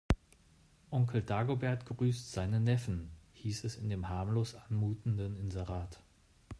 Onkel Dagobert grüßt seinen Neffen, hieß es in dem harmlos anmutenden Inserat.